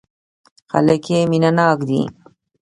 خلک يې مينه ناک دي.